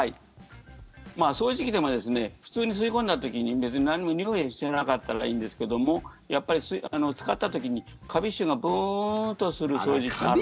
掃除機でも普通に吸い込んだ時に別に何もにおいしてなかったらいいんですけどもやっぱり使った時にカビ臭がプーンとする掃除機あるんですよ。